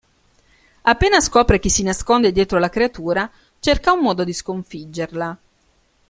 Appena scopre chi si nasconde dietro la creatura, cerca un modo di sconfiggerla...